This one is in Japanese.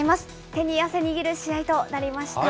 手に汗握る試合となりました。